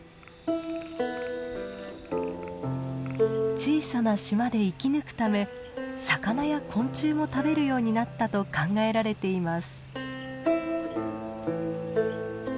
小さな島で生き抜くため魚や昆虫も食べるようになったと考えられています。